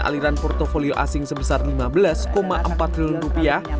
aliran portfolio asing sebesar lima belas empat triliun rupiah